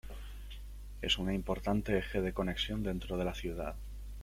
Es una importante eje de conexión dentro de la ciudad.